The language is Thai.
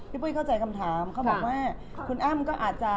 ปุ้ยเข้าใจคำถามเขาบอกว่าคุณอ้ำก็อาจจะ